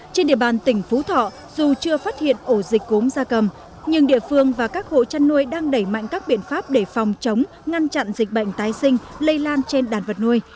trên địa bàn tỉnh phú thọ dù chưa phát hiện ổ dịch cúm gia cầm nhưng địa phương và các hộ chăn nuôi đang đẩy mạnh các biện pháp để phòng chống ngăn chặn dịch bệnh tái sinh lây lan trên đàn vật nuôi